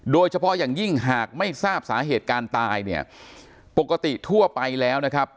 โดยเฉพาะอย่างยิ่งหากไม่ทราบสาเหตุการตายเนี่ยปกติทั่วไปแล้วนะครับ